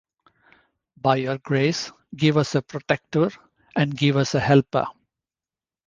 By Your grace, give us a protector and give us a helper!'?